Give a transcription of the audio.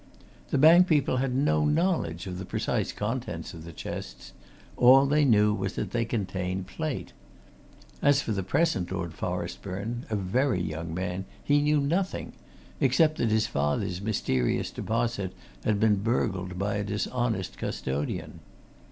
The bank people had no knowledge of the precise contents of the chests all they knew was that they contained plate. As for the present Lord Forestburne, a very young man, he knew nothing, except that his father's mysterious deposit had been burgled by a dishonest custodian.